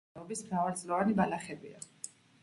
წყლის ან ჭაობის მრავალწლოვანი ბალახებია.